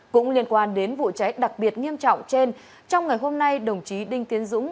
cũng liên quan đến vụ cháy đặc biệt nghiêm trọng trên trong ngày hôm nay đồng chí đinh tiến dũng